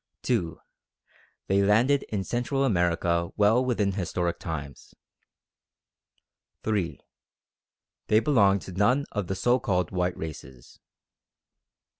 2. They landed in Central America well within historic times. 3. They belonged to none of the so called White Races.